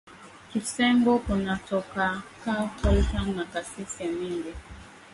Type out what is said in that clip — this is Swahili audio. Kisengo kuna tokaka coltan na kasis ya mingi